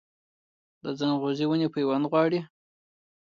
د ځنغوزي ونې پیوند غواړي؟